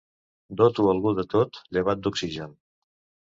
Doto algú de tot llevat d'oxigen.